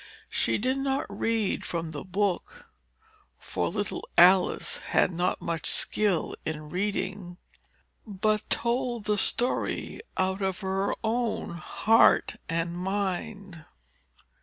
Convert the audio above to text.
She did not read from the book, (for little Alice had not much skill in reading,) but told the story out of her own heart and mind.